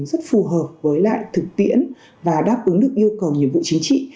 rất phù hợp với lại thực tiễn và đáp ứng được yêu cầu nhiệm vụ chính trị